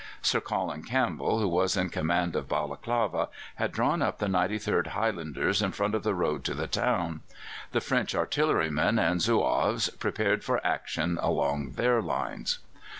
Sir Colin Campbell, who was in command of Balaklava, had drawn up the 93rd Highlanders in front of the road to the town. The French artillerymen and Zouaves prepared for action along their lines.